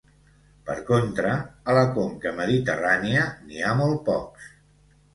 Per contra, a la conca mediterrània n'hi ha molt pocs.